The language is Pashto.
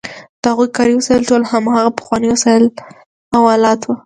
د هغوی کاري وسایل ټول هماغه پخواني وسایل او آلات وو.